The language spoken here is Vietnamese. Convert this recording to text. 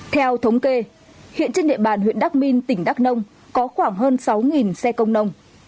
theo thống kê hiện trên địa bàn huyện đắc minh tỉnh đắk nông có khoảng hơn sáu xe công nông